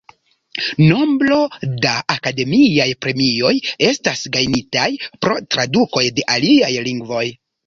Nombro da akademiaj premioj estas gajnitaj pro tradukoj de aliaj lingvoj.